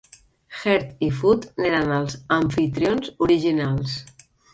Heard i Foote n'eren els amfitrions originals.